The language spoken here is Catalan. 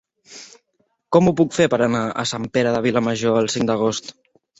Com ho puc fer per anar a Sant Pere de Vilamajor el cinc d'agost?